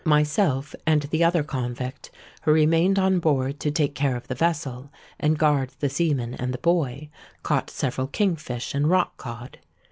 Myself and the other convict, who remained on board to take care of the vessel and guard the seaman and the boy, caught several king fish and rock cod.